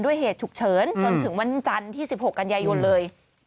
เหตุฉุกเฉินจนถึงวันจันทร์ที่๑๖กันยายนเลย